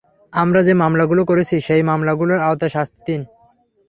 আমরা যে মামলাগুলো করেছি সেই মামলাগুলোর আওতায় শাস্তি দিন।